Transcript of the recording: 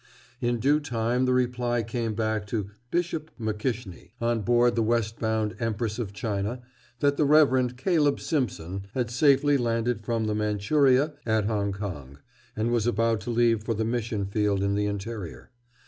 In due time the reply came back to "Bishop MacKishnie," on board the westbound Empress of China that the Reverend Caleb Simpson had safely landed from the Manchuria at Hong Kong, and was about to leave for the mission field in the interior.